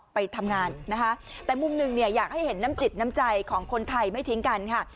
ไปทำงานนะคะแต่มุมหนึ่งเนี่ยอยากให้เห็นน้ำจิตน้ำใจของคนไทยไม่ทิ้งกันค่ะ